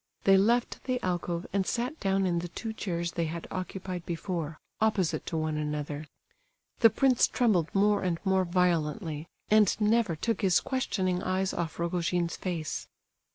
They left the alcove and sat down in the two chairs they had occupied before, opposite to one another. The prince trembled more and more violently, and never took his questioning eyes off Rogojin's face.